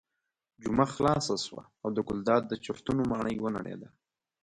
جمعه خلاصه شوه او د ګلداد د چورتونو ماڼۍ ونړېده.